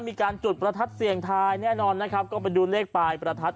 มีการจุดประทัดเสี่ยงทายแน่นอนนะครับก็ไปดูเลขปลายประทัด